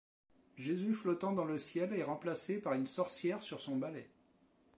Jésus flottant dans le ciel est remplacé par une sorcière sur son balai.